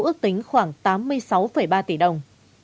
ước tính khoảng tám mươi sáu ba tỷ đồng